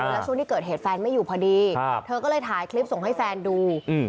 แล้วช่วงที่เกิดเหตุแฟนไม่อยู่พอดีเธอก็เลยถ่ายคลิปส่งให้แฟนดู